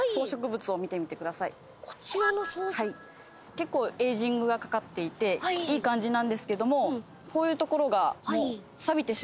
結構エイジングがかかっていていい感じなんですけどもこういう所が。